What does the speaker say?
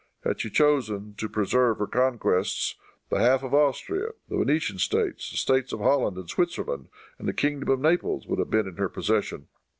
Had she chosen to preserve her conquests, the half of Austria, the Venetian States, the States of Holland and Switzerland and the kingdom of Naples would have been in her possession.